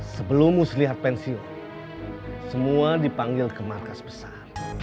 sebelum muslihat pensiun semua dipanggil ke markas besar